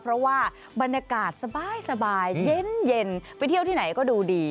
เพราะว่าบรรยากาศสบายเย็นไปเที่ยวที่ไหนก็ดูดี